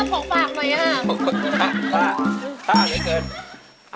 คุณป่าไม่รับพอกฝากไหมฮะ